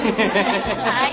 はい。